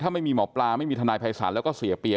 ถ้าไม่มีหมอปลาไม่มีทนายภัยศาลแล้วก็เสียเปีย